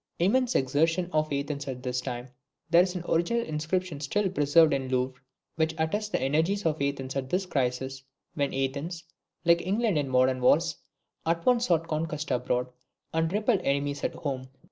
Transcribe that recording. Immense exertions of Athens at this time. There is an original inscription still preserved in the Louvre, which attests the energies of Athens at this crisis, when Athens, like England in modern wars, at once sought conquests abroad, and repelled enemies at home.